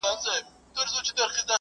رسنۍ له خپلواکو غږونو پاکېږي.